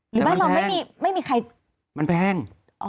บ้านเราไม่มีใครมันแพง